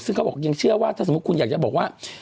ซึ่งเขาบอกยังเชื่อว่าถ้าสมมุติคุณอยากจะบอกว่า